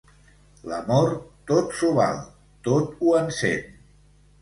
L'amor tot s'ho val, tot ho encén.